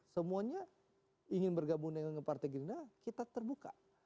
semuanya ingin bergabung dengan partai gerindra kita terbuka